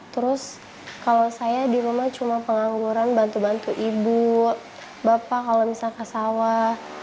terus kalau saya di rumah cuma pengangguran bantu bantu ibu bapak kalau misalnya ke sawah